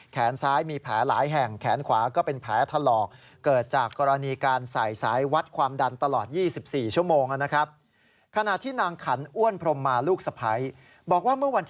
แขนซ้ายมีแผลหลายแห่งแขนขวาก็เป็นแผลทะลอก